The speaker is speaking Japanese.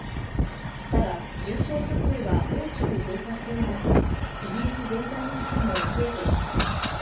ただ重症者数は大きく増加しておらず、イギリス全体の死者も増えていません。